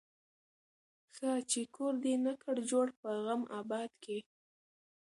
ښه چي کور دي نه کړ جوړ په غم آباد کي